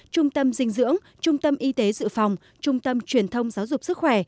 trung tâm dinh dưỡng trung tâm y tế dự phòng trung tâm truyền thông giáo dục sức khỏe